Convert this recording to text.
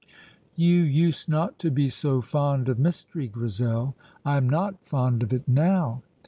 "You used not to be so fond of mystery, Grizel." "I am not fond of it now."